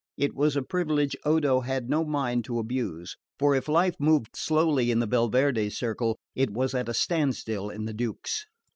It was a privilege Odo had no mind to abuse; for if life moved slowly in the Belverde's circle it was at a standstill in the Duke's.